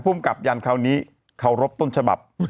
ภูมิกับยันคราวนี้เคารพต้นฉบับ